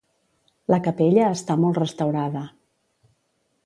La capella està molt restaurada.